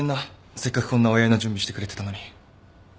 せっかくこんなお祝いの準備してくれてたのに。